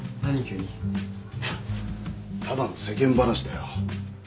いやただの世間話だよ。